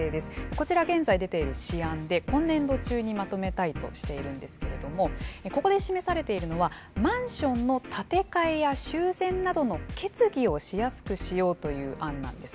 こちら現在出ている試案で今年度中にまとめたいとしているんですけれどもここで示されているのはマンションの建て替えや修繕などの決議をしやすくしようという案なんです。